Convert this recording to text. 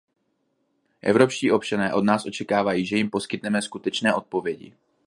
Evropští občané od nás očekávají, že jim poskytneme skutečné odpovědi.